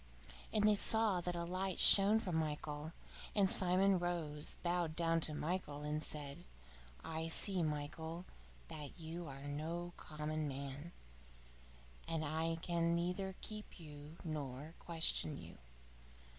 And they saw that a light shone from Michael. And Simon rose, bowed down to Michael, and said: "I see, Michael, that you are no common man, and I can neither keep you nor question you.